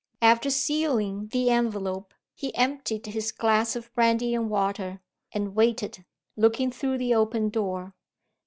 After sealing the envelope, he emptied his glass of brandy and water; and waited, looking through the open door.